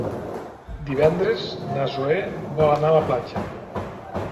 Divendres na Zoè vol anar a la platja.